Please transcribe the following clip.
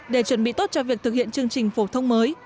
để chuẩn bị tốt cho việc thực hiện chương trình phổ thông mới